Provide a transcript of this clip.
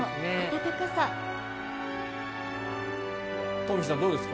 東輝さん、どうですか？